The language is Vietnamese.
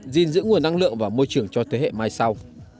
gìn giữ nguồn năng lượng và môi trường cho thế hệ mai sau